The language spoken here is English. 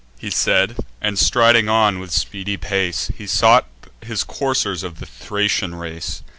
He said, and striding on, with speedy pace, He sought his coursers of the Thracian race.